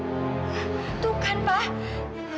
tuh kan pa